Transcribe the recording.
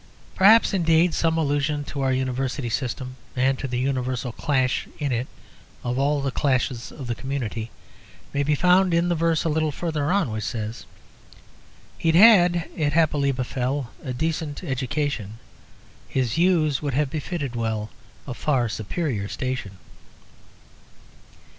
Perhaps, indeed, some allusion to our University system, and to the universal clash in it of all the classes of the community, may be found in the verse a little farther on, which says "He'd had, it happily befell, A decent education; His views would have befitted well A far superior station."